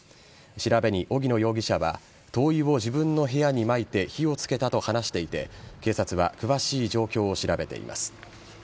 調べに荻野容疑者は灯油を自分の部屋にまいて火をつけたと話していて警察は詳しい状況を調べています。